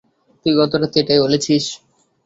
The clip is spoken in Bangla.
তুই গতরাতে এটাই বলেছিস।